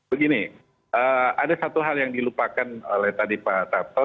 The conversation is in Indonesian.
begini ada satu hal yang dilupakan oleh tadi pak tarto